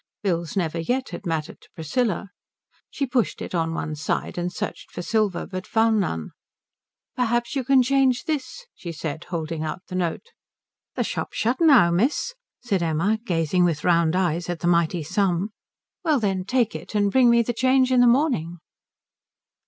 Bills never yet had mattered to Priscilla. She pushed it on one side and searched for silver, but found none. "Perhaps you can change this?" she said, holding out the note. "The shop's shut now, miss," said Laura, gazing with round eyes at the mighty sum. "Well then take it, and bring me the change in the morning."